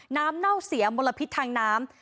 เน่าเสียมลพิษทางน้ำ